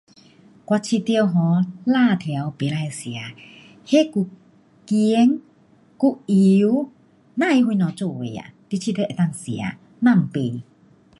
我觉得 um 辣条不可吃，那又咸，又油，不知什么做的啊，你觉得能够吃？别买。